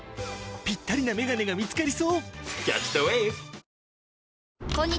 ピッタリなメガネが見つかりそう！